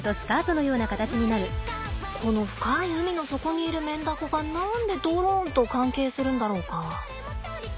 この深い海の底にいるメンダコが何でドローンと関係するんだろうか。